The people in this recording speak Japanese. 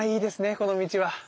この道は。